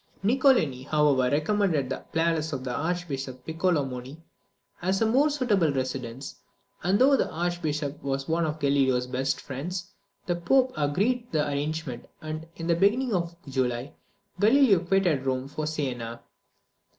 Niccolini, however, recommended the palace of the Archbishop Piccolomoni as a more suitable residence; and though the Archbishop was one of Galileo's best friends, the Pope agreed to the arrangement, and in the beginning of July Galileo quitted Rome for Sienna.